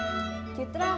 kalau gini beres bro